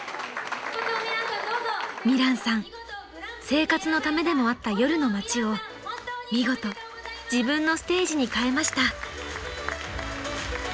生活のためでもあった夜の街を見事自分のステージにかえました］